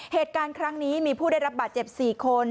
เหตุการณ์ครั้งนี้มีผู้ได้รับบาดเจ็บ๔คน